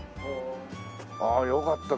ああよかった。